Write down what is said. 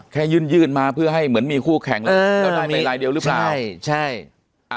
แค่ยื่นยื่นมาเพื่อให้เหมือนมีคู่แข่งแล้วได้ไปลายเดียวหรือเปล่าใช่ใช่